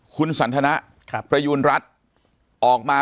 ปากกับภาคภูมิ